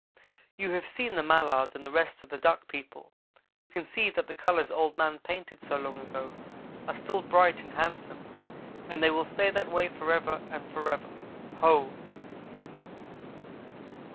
You have seen the mallard and the rest of the Duck people. You can see that the colors Old man painted so long ago are still bright and handsome, and they will stay that way forever and forever. Ho!"